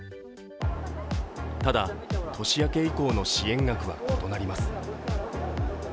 ただ、年明け以降の支援額は異なります。